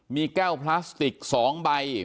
มีแก้วพลาสติก๒ใบ